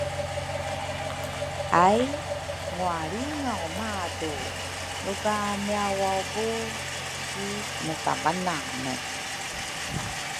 ai ngwalringaw madu luka miawaubu si mutavanane